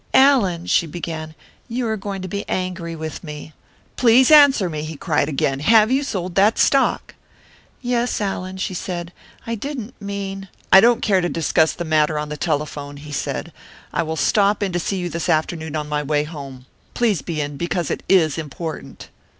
"Allan," she began, "you are going to be angry with me " "Please answer me!" he cried again. "Have you sold that stock?" "Yes, Allan," she said, "I didn't mean " "I don't care to discuss the matter on the telephone," he said. "I will stop in to see you this afternoon on my way home. Please be in, because it is important."